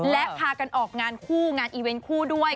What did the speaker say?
และพากันออกงานคู่งานอีเวนต์คู่ด้วย